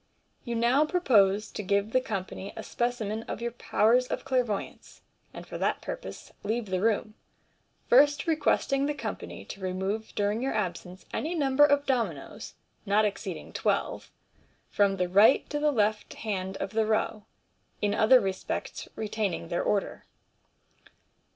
You now propose to give the company a specimen of your powers of clairvoyance, and for that purpose leave the room, first requesting the company to remove during your absence any number of dominoes (not exceeding twelve) from the right to the left hand of the row, in other respects retaining their order.